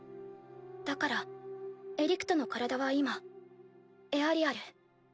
だからエリクトの体は今エアリアル。